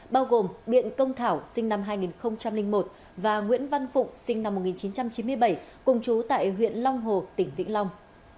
bao gồm biện công thảo sinh năm hai nghìn một và nguyễn văn phụng sinh năm một nghìn chín trăm chín mươi bảy cùng chú tại huyện long hồ tỉnh vĩnh long